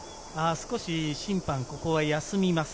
少し審判、ここは休みます。